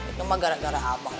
itu mah gara gara abah